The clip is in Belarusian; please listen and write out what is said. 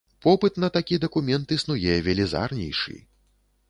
Попыт на такі дакумент існуе велізарнейшы.